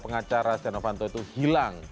pengacara stiano fanto itu hilang